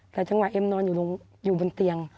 แต่จังหวะเอ็มนอนอยู่บนเตียง